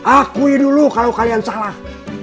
akui dulu kalau kalian salah